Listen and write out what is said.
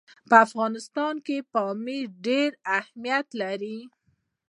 په افغانستان کې پامیر ډېر اهمیت لري.